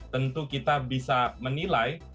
tentu kita bisa menilai